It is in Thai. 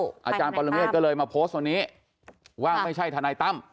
อาจารย์ปรเมฆก็เลยมาโพสต์วันนี้ว่าไม่ใช่ทนายตั้ม